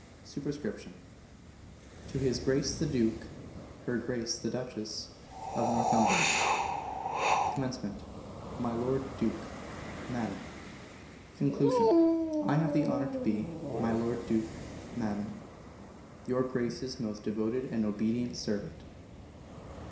Sup._ To His Grace the Duke (Her Grace the Duchess) of Northumberland. Comm. My Lord Duke (Madam). Con. I have the honour to be, My Lord Duke (Madam), Your Grace's most devoted and obedient servant.